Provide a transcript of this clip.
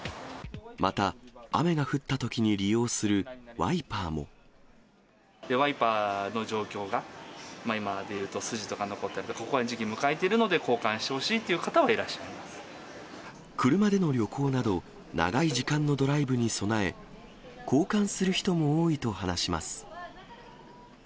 また、雨が降ったときに利用ワイパーの状況が、今でいうと、筋とか残ってるので、交換の時期を迎えているので、交換してほしいっていう方はいら車での旅行など、長い時間のドライブに備え、交換する人も多いと話します。